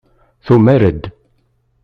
Tumared?